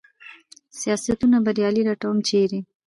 سیاستونه بریالي لټوم ، چېرې ؟